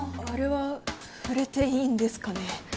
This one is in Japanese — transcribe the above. あれは触れていいんですかね？